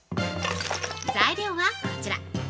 材料はこちら。